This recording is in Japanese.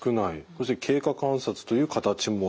そして経過観察という形もある。